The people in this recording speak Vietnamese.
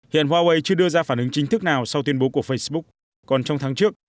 hiện huawei chưa đưa ra phản ứng chính thức nào sau tuyên bố của facebook còn trong tháng trước